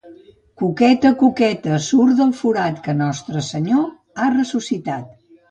Cuqueta, cuqueta, surt del forat, que Nostre Senyor ha ressuscitat.